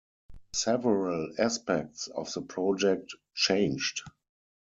Several aspects of the project changed.